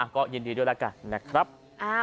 ก็ยินดีด้วยแล้วกันนะครับ